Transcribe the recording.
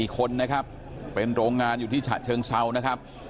๔คนนะครับเป็นโรงงานอยู่ที่ฉะเชิงเซานะครับ